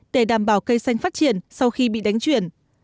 để đảm bảo cây xanh phát triển sau khi bị đánh chuyển